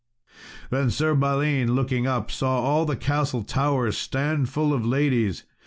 Then Sir Balin, looking up, saw all the castle towers stand full of ladies.